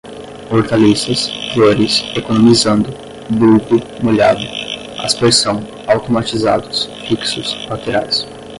hortaliças, flores, economizando, bulbo molhado, aspersão, automatizados, fixos, laterais